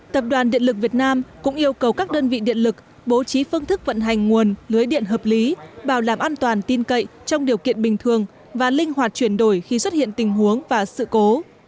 tập đoàn điện lực việt nam cũng yêu cầu các đơn vị điện lực bố trí phương thức vận hành nguồn lưới điện hợp lý bảo đảm an toàn tin cậy trong điều kiện bình thường và linh hoạt chuyển đổi khi xuất hiện tình huống và sự cố